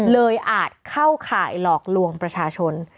อาจเข้าข่ายหลอกลวงประชาชน